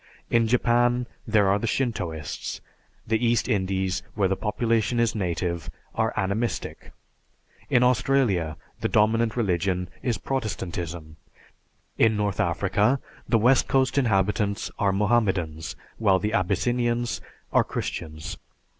In Japan, there are the Shintoists. The East Indies, where the population is native, are Animistic. In Australia, the dominant religion is Protestantism. In North Africa, the west coast inhabitants are Mohammedans, while the Abyssinians are Christians.